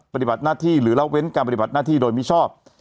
ปฏิบัติหน้าที่หรือละเว้นการปฏิบัติหน้าที่โดยมิชอบ